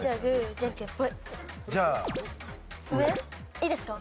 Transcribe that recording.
いいですか？